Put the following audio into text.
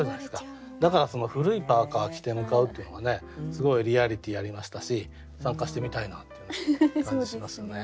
だから「古いパーカー着て向かう」っていうのがねすごいリアリティーありましたし参加してみたいなっていう感じしますよね。